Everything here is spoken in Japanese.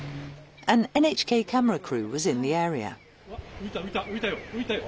浮いた、浮いた、浮いたよ。